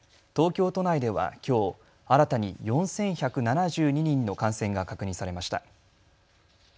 東京都内ではきょう新たに４１７２人の感染が確認されました。